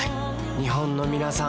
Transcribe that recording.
日本のみなさん